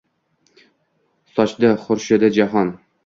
Sochdi xurshidi jahon.